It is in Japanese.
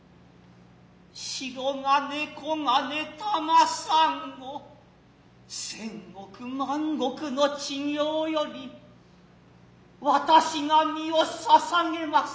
白金黄金球珊瑚千石万石の知行より私が身を捧げます。